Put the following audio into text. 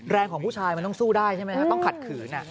ของผู้ชายมันต้องสู้ได้ใช่ไหมครับต้องขัดขืน